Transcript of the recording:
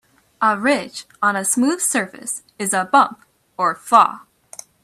A ridge on a smooth surface is a bump or flaw.